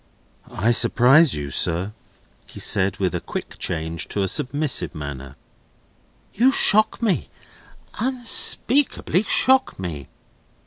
"I surprise you, sir?" he said, with a quick change to a submissive manner. "You shock me; unspeakably shock me."